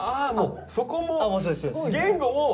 あもうそこも。